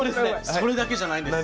それだけじゃないんです。